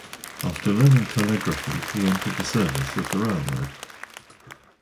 After learning telegraphy he entered the service of the railroad.